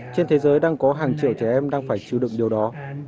trên thế giới đang có hàng trẻ em đang phải chịu đựng điều đó